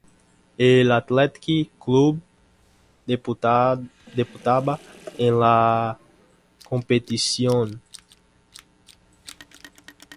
El Athletic Club debutaba en la competición.